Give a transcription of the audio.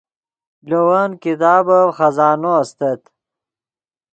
لے ون کتابف خزانو استت